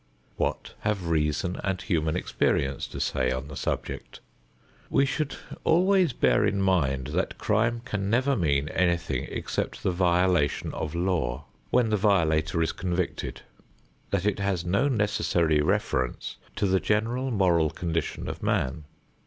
What have reason and human experience to say on the subject? We should always bear in mind that crime can never mean anything except the violation of law, when the violator is convicted; that it has no necessary reference to the general moral condition of man.